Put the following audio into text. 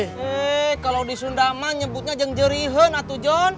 eh kalo di sunda man nyebutnya jengjerihen atuh john